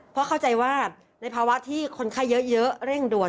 เพราะเข้าใจว่าในภาวะที่คนไข้เยอะเร่งด่วน